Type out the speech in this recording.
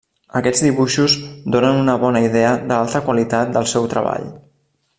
Aquests dibuixos donen una bona idea de l'alta qualitat del seu treball.